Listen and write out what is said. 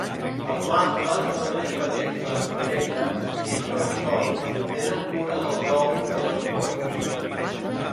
Els mascles són més petits que les femelles i, tot sols, tenen cura dels ous i dels polls.